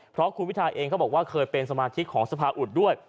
เพราะคุณพิทาเองเขาบอกว่าเคยเป็นสมาชิกของสภาอุดด้วย